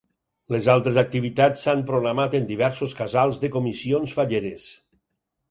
Les altres activitats s’han programat en diversos casals de comissions falleres.